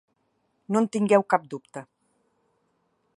No en tingueu cap dubte.